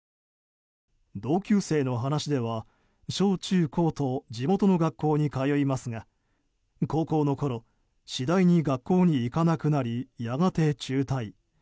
同級生の話では、小中高と地元の学校に通いますが高校のころ、次第に学校に行かなくなりやがて中退。